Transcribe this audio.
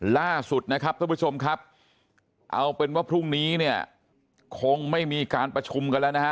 ล่าสุดนะครับท่านผู้ชมครับเอาเป็นว่าพรุ่งนี้เนี่ยคงไม่มีการประชุมกันแล้วนะฮะ